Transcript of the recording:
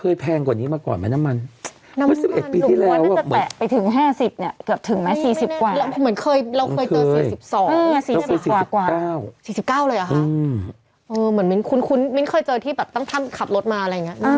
แล้วเกิด๔๙กว่าอืมมีนคุ้นมีนเคยเจอที่ตั้งท่านขับรถมาอะไรอย่างนี้